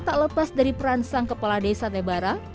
tak lepas dari peransang kepala desa tebara